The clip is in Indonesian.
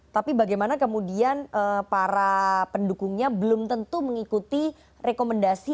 tapi bagaimana kemudian para pendukungnya belum tentu mengikuti rekomendasi